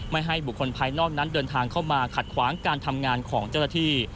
ให้บุคคลภายนอกนั้นเดินทางเข้ามาขัดขวางการทำงานของเจ้าหน้าที่